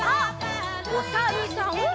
おさるさん。